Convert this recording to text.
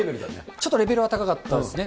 ちょっとレベルが高かったですね。